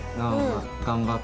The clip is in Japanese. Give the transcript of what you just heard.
頑張って。